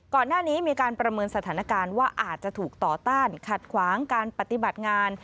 ก่อนหน้านี้มีการประเมินสถานการณ์ว่าอาจจะถูกต่อต้านขัดขวางการปฏิบัติงาน